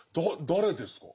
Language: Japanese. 誰ですか？